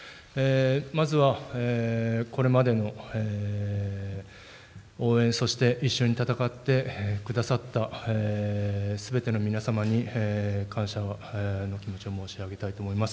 まずは、これまでの応援、そして一緒に戦ってくださったすべての皆様に、感謝の気持ちを申し上げたいと思います。